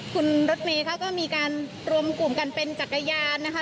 คุณรถเมย์ค่ะก็มีการรวมกลุ่มกันเป็นจักรยานนะคะ